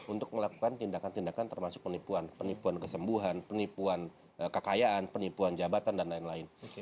untuk melakukan tindakan tindakan termasuk penipuan penipuan kesembuhan penipuan kekayaan penipuan jabatan dan lain lain